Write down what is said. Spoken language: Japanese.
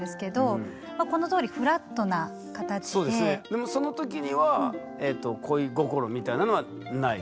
でもそのときには恋心みたいなのはないですよね？